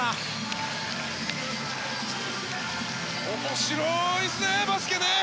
面白いですね、バスケね！